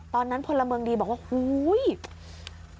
ตอนนั้นพลเมืองดีบอกว่าโอ้โฮ